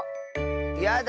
やだ！